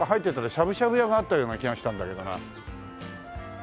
しゃぶしゃぶ屋があったような気がしたんだけどな。